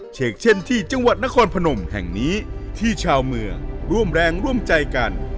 เชกเช่นที่จังหวัดนครพนมแห่งนี้ที่ชาวเมืองร่วมแรงร่วมใจกัน